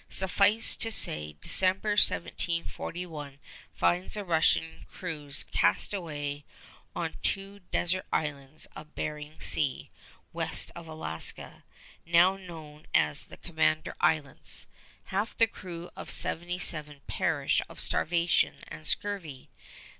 Suffice to say, December of 1741 finds the Russian crews cast away on two desert islands of Bering Sea west of Alaska, now known as the Commander Islands. Half the crew of seventy seven perish of starvation and scurvy.